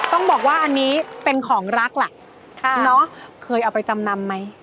ต้องบอกว่าอันนี้เป็นของรักล่ะเคยเอาไปจำนำไหม